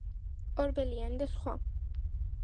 ორბელიანი და სხვა.